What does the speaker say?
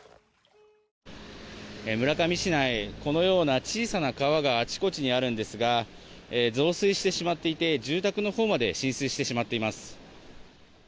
村上市内このような小さな川があちこちにあるんですが増水してしまっていて住宅のほうまで浸水してしまっています。